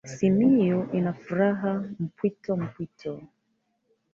Simiyu anafuraha mpwito mpwito